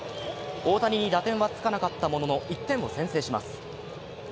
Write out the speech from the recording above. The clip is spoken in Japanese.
大谷に打点はつかなかったものの１点を先制します。